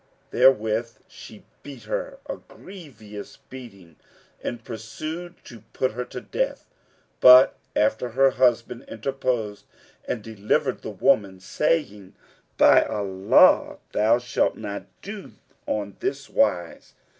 Therewith she beat her a grievous beating and purposed to put her to death; but her husband interposed and delivered the woman, saying, "By Allah, thou shalt not do on this wise."